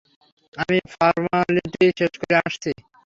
আমি ফর্মালিটি শেষ করে আসছি।